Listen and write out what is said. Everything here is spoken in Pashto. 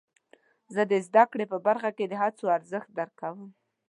زه د زده کړې په برخه کې د هڅو ارزښت درک کوم.